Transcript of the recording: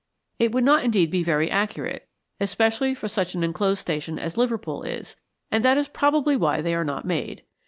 It would not indeed be very accurate, especially for such an inclosed station as Liverpool is, and that is probably why they are not made.